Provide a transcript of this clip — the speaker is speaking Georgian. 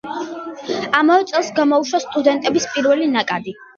ამავე წელს გამოუშვა სტუდენტების პირველი ნაკადი.